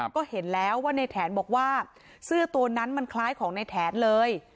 ก็เห็นแล้วว่าในแถนบอกว่าเสื้อตัวนั้นมันคล้ายของในแถนเลย